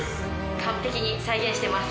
完璧に再現してます。